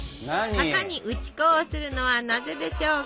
型に打ち粉をするのはなぜでしょうか？